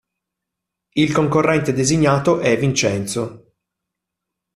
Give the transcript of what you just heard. Il concorrente designato è Vincenzo.